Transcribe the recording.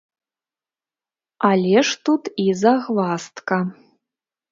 Але ж тут і загваздка!